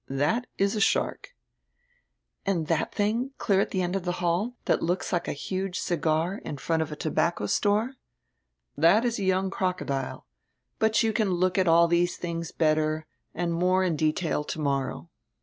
"That is a shark." "And diat tiling, clear at die end of die hall, diat looks like a huge cigar in front of a tobacco store?" "That is a young crocodile. But you can look at all these tilings better and more in detail tomorrow.